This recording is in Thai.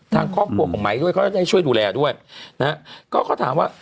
ทางครอบครัวของไม้ด้วยเขาจะได้ช่วยดูแลด้วยนะฮะก็เขาถามว่า